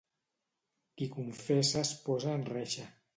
Qui confessa es posa en reixa.